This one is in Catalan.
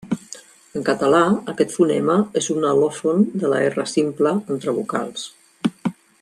En català aquest fonema és un al·lòfon de la erra simple entre vocals.